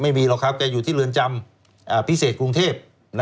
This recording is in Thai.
ไม่มีหรอกครับแกอยู่ที่เรือนจำพิเศษกรุงเทพ